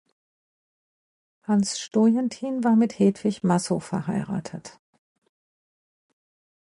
Hans Stojentin war mit Hedwig Massow verheiratet.